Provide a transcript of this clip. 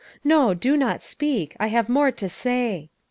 No, do not speak; I have more to say.